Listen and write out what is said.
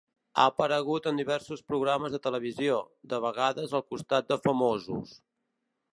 Ha aparegut en diversos programes de televisió, de vegades al costat de famosos.